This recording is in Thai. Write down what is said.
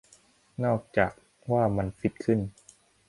นอกจากว่ามันฟิตขึ้น